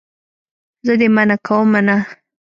زه دې منع کومه نه.